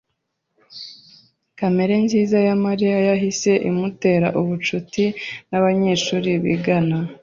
Kamere nziza ya Mariya yahise imutera ubucuti nabanyeshuri bigana